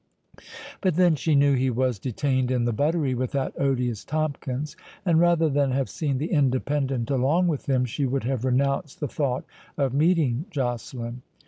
But then she knew he was detained in the buttery with that odious Tomkins, and rather than have seen the Independent along with him, she would have renounced the thought of meeting Joceline.